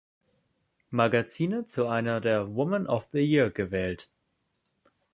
Magazine zu einer der „Women of the Year“ gewählt.